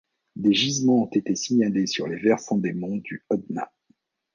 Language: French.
Des gisements ont été signalés sur les versants des monts du Hodna.